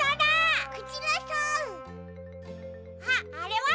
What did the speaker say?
あっあれは？